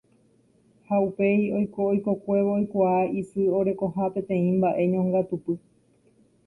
ha upéi oiko oikokuévo oikuaa isy orekoha peteĩ mba'e ñongatupy